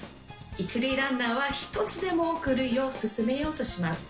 一塁ランナーは一つでも多く塁を進めようとします。